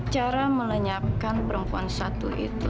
cara melenyapkan perempuan satu itu